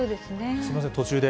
すみません、途中で。